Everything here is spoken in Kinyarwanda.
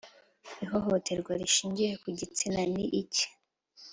Ihohoterwa rishingiye ku gitsina ni iki